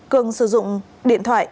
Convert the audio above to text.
cường sử dụng điện thoại